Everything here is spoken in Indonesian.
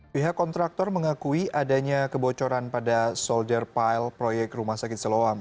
pihak kontraktor mengakui adanya kebocoran pada soldier pile proyek rumah sakit seloam